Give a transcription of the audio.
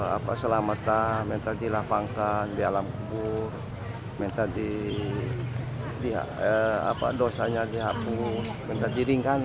apa selamat amin tadi lapangkan di alam kubur minta di wiya apa dosanya dihapus minta diringkang